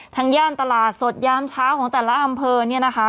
ย่านตลาดสดยามเช้าของแต่ละอำเภอเนี่ยนะคะ